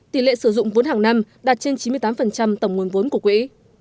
tỷ lệ sử dụng vốn hàng năm đạt trên chín mươi tám tổng nguồn vốn của quỹ